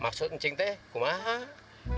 maksudnya cik teh gimana